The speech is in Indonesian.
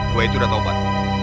gua itu udah topat